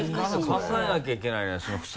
考えなきゃいけないじゃない。